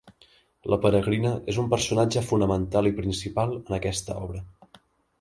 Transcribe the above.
La Peregrina és un personatge fonamental i principal en aquesta obra.